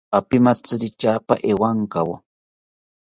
Apimantziri tyaapa ewankawo